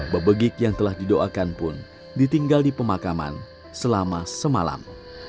bebegik yang telah didoakan pun ditinggal di pemakaman selama semalam